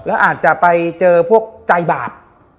แล้วอาจจะไปเจอพวกใจบาป